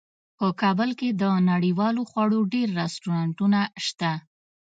په کابل کې د نړیوالو خوړو ډیر رستورانتونه شته